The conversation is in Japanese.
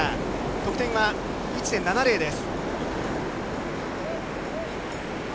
得点は１．７０です。